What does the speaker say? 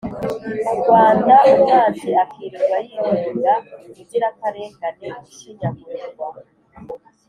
rwanda umwanzi akirirwa yidoga inzirakarengane ishinyagurirwa